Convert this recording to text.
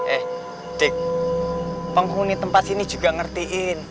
eh dek penghuni tempat sini juga ngertiin